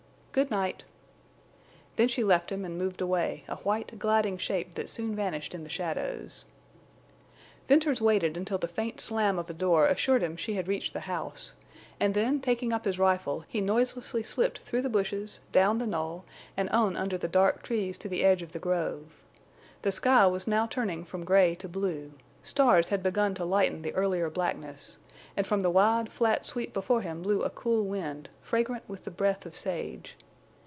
"Good night." Then she left him and moved away, a white, gliding shape that soon vanished in the shadows. Venters waited until the faint slam of a door assured him she had reached the house, and then, taking up his rifle, he noiselessly slipped through the bushes, down the knoll, and on under the dark trees to the edge of the grove. The sky was now turning from gray to blue; stars had begun to lighten the earlier blackness; and from the wide flat sweep before him blew a cool wind, fragrant with the breath of sage.